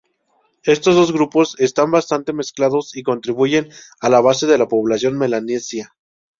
Estos dos grupos están bastante mezclados y constituyen la base de la población melanesia.